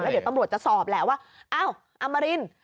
เดี๋ยวตำรวจจะสอบแหละว่าอ้าวอมริน